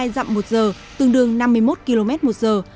ba mươi hai dặm một giờ tương đương năm mươi một km một giờ